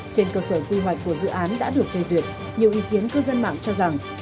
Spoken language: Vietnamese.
trên cơ sở quy hoạch của dự án đã được phê duyệt nhiều ý kiến cư dân mạng cho rằng